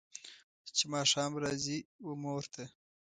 چې ماښام راځي و مور ته